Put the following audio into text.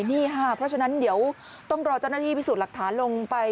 นี่ค่ะเพราะฉะนั้นเดี๋ยวต้องรอเจ้าหน้าที่พิสูจน์หลักฐานลงไป